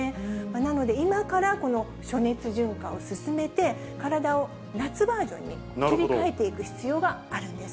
なので、今からこの暑熱順化を進めて、体を夏バージョンに切り替えていく必要があるんです。